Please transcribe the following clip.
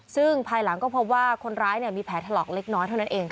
ซึ่งภายหลังก็พบว่าคนร้ายมีแผลถลอกเล็กน้อยเท่านั้นเอง